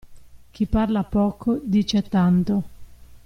Chi parla poco, dice tanto.